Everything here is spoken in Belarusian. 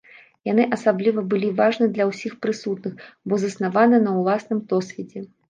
Яны асаблівы былі важны для ўсіх прысутных, бо заснаваны на ўласным досведзе.